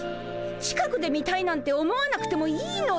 近くで見たいなんて思わなくてもいいのです。